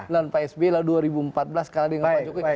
dan pak s b lalu dua ribu empat belas kalah dengan pak jokowi